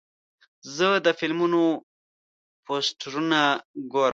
زه د فلمونو پوسټرونه ګورم.